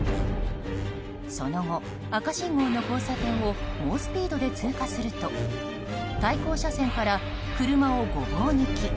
その後、赤信号の交差点を猛スピードで通過すると対向車線から車をごぼう抜き。